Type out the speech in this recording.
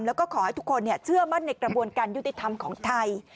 แล้วก็ขอให้ทุกคนเชื่อมั่นในกระบวนการยุติธรรมของไทย